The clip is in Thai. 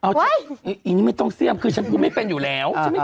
อ๋ออันนี้ไม่ต้องเสื่อมคือฉันก็ไม่เป็นอยู่แล้ว